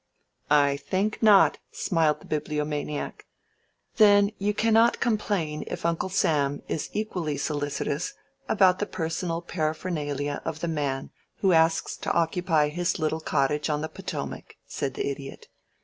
"I think not," smiled the Bibliomaniac. "Then you cannot complain if Uncle Sam is equally solicitous about the personal paraphernalia of the man who asks to occupy his little cottage on the Potomac," said the Idiot.